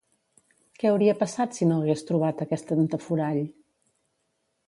Què hauria passat si no hagués trobat aquest entaforall?